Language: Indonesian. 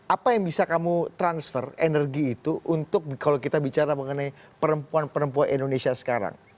apa yang bisa kamu transfer energi itu untuk kalau kita bicara mengenai perempuan perempuan indonesia sekarang